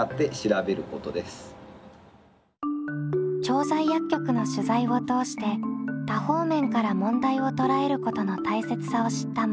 調剤薬局の取材を通して多方面から問題を捉えることの大切さを知ったマッキー。